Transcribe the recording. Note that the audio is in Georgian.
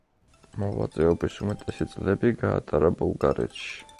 მოღვაწეობის უმეტესი წლები გაატარა ბულგარეთში.